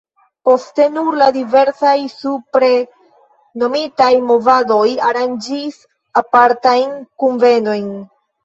Poste nur la diversaj supre nomitaj movadoj aranĝis apartajn kunvenojn.